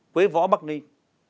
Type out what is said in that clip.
quế võ bắc ninh